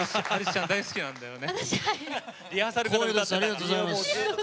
ありがとうございます。